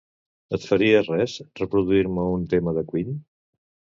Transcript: Et faria res reproduir-me un tema de Queen?